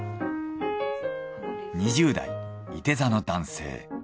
２０代いて座の男性。